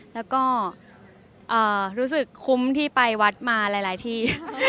แล้วก็รู้สึกคุ้มที่ไปวัดมาหลายที่